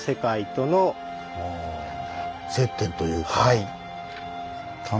はい。